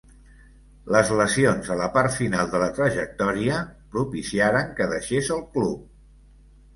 Les lesions a la part final de la trajectòria propiciaren que deixés el club.